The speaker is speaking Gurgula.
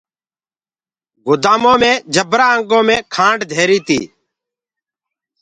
گُدآمآ مي جبرآ انگو مي کآنڊ دهيري تي۔